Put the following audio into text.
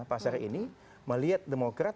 pasar ini melihat demokrat